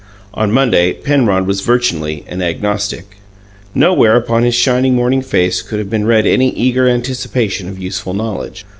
On Monday Penrod was virtually an agnostic. Nowhere upon his shining morning face could have been read any eager anticipation of useful knowledge.